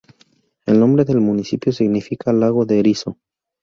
El nombre del municipio significa "lago de erizo".